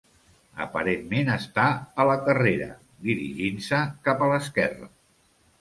Aparentment està a la carrera, dirigint-se cap a l'esquerra.